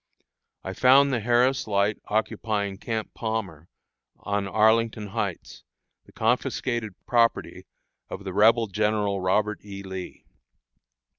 I found the Harris Light occupying Camp Palmer, on Arlington Heights, the confiscated property of the Rebel General Robert E. Lee.